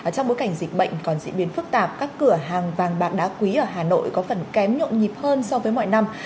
trong bối cảnh dịch bệnh còn diễn biến phức tạp các cửa hàng vàng bạc đá quý ở hà nội có phần kém nhộn nhịp hơn so với mọi năm